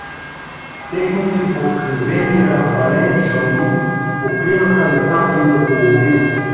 Техните подкривени и развалени чалми покриваха лицата им до половина.